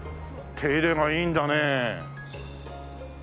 手入れがいいんだね。